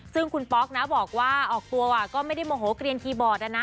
ซึ่งคุณป๊อกนะบอกว่าออกตัวก็ไม่ได้โมโหเกลียนคีย์บอร์ดนะ